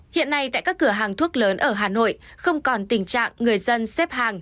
hiện nay tại các cửa hàng thuốc lớn ở hà nội không còn tình trạng người dân xếp hàng